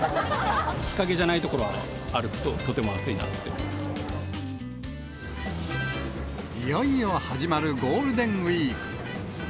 日陰じゃない所を歩くと、いよいよ始まるゴールデンウィーク。